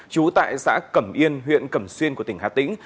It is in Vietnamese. trú tại xã cẩm yên huyện cẩm xuyên của tỉnh hà tĩnh